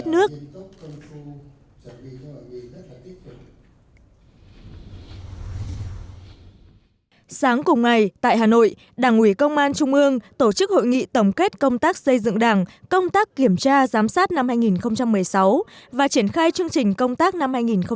trước hội nghị tổng kết công tác xây dựng đảng công tác kiểm tra giám sát năm hai nghìn một mươi sáu và triển khai chương trình công tác năm hai nghìn một mươi bảy